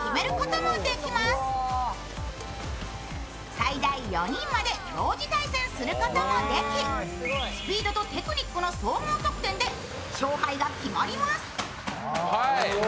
最大４人まで同時対戦することもできスピードとテクニックの総合得点で勝敗が決まります。